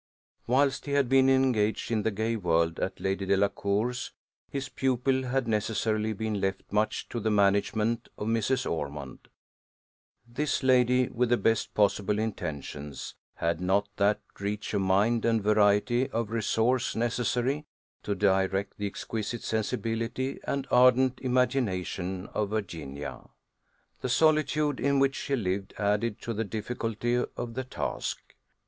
Whilst he had been engaged in the gay world at Lady Delacour's, his pupil had necessarily been left much to the management of Mrs. Ormond. This lady, with the best possible intentions, had not that reach of mind and variety of resource necessary to direct the exquisite sensibility and ardent imagination of Virginia: the solitude in which she lived added to the difficulty of the task.